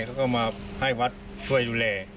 เขาก็มาให้วัดช่วยดูแล